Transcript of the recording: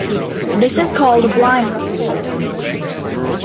This is called a "blind" referral.